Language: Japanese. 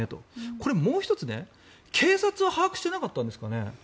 これ、もう１つ、警察は把握してなかったんですかね？